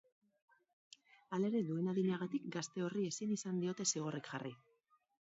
Halere, duen adinagatik, gazte horri ezin izan diote zigorrik jarri.